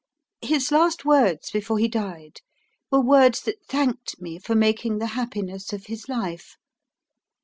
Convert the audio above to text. His last words before he died were words that thanked me for making the happiness of his life.